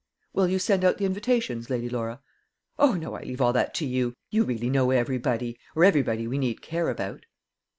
"Will you send out the invitations, Lady Laura?" "O, no; I leave all that to you. You really know everybody or everybody we need care about."